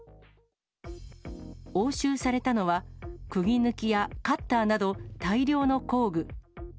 押収されたのは、くぎ抜きやカッターなど、大量の工具。